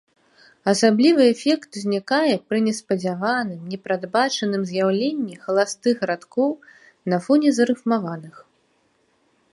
Асаблівы эфект узнікае пры неспадзяваным, непрадбачаным з'яўленні халастых радкоў на фоне зарыфмаваных.